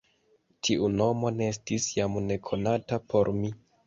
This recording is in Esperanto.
Tiu nomo ne estis jam nekonata por mi.